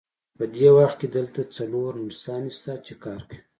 په دې وخت کې دلته څلور نرسانې شته، چې کار کوي.